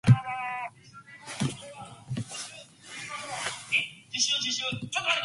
In January Tarleton promoted Justin Carrigan to offensive coordinator.